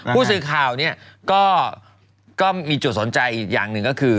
ผู้สื่อข่าวเนี่ยก็มีจุดสนใจอีกอย่างหนึ่งก็คือ